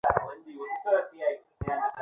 পরে তিনি জন সংঘে যোগ দেন।